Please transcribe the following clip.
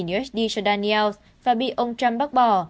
một trăm ba mươi usd cho daniels và bị ông trump bác bỏ